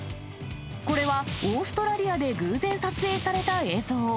これは、オーストラリアで偶然撮影された映像。